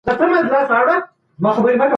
د هېواد بهرنی پالیسي د ثبات لپاره بسنه نه کوي.